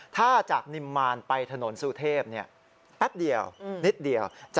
ถ้าจากนิมมานไปถนนสุเทพแป๊บเดียวนิดเดียว